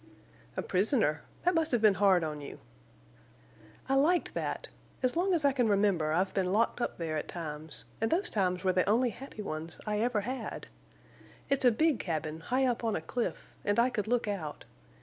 "A prisoner! That must have been hard on you?" "I liked that. As long as I can remember I've been locked up there at times, and those times were the only happy ones I ever had. It's a big cabin, high up on a cliff, and I could look out.